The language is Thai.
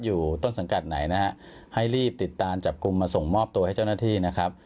อยู่ต้นสังกัดไหนนะฮะให้รีบติดตามจับกลุ่มมาส่งมอบตัวให้เจ้าหน้าที่นะครับ